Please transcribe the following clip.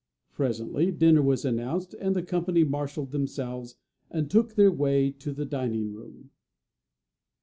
Presently dinner was announced, and the company marshalled themselves, and took their way to the dining room.